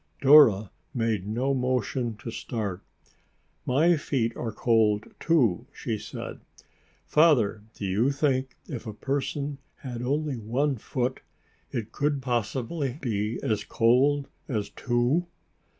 Dora made no motion to start. "My feet are cold, too," she said. "Father, do you think if a person had only one foot, it could possibly be so cold as two?"